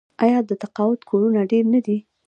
آیا د تقاعد کورونه ډیر نه دي؟